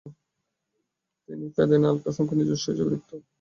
তিনি ফেদাইনরা আল-কাসসামকে নিজেদের উৎস হিসেবে দেখত।